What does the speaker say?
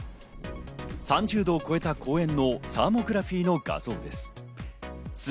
３０度を超えた公園のサーモグラフィーの画像です。